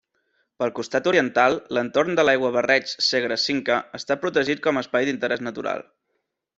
Pel costat oriental, l'entorn de l'Aiguabarreig Segre-Cinca està protegit com a Espai d'Interès Natural.